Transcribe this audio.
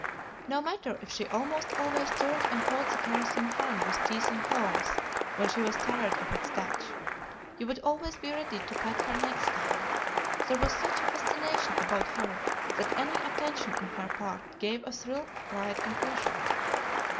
No matter if she almost always turned and caught the caressing hand with teeth and claws, when she was tired of its touch, you would always be ready to pat her next time; there was such a fascination about her that any attention on her part gave a thrill of pride and pleasure.